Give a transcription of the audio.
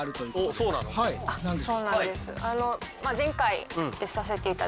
そうなんです。